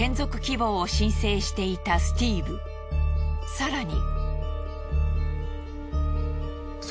更に。